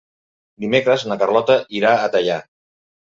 Dimecres na Carlota irà a Teià.